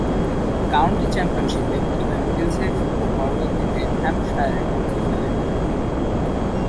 County চ্যাম্পিয়নশীপে প্রথমে Middlesex ও পরবর্তীতে হ্যাম্পশায়ারের পক্ষে খেলেন।